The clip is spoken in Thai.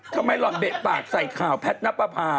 หล่อนเบะปากใส่ข่าวแพทย์นับประพา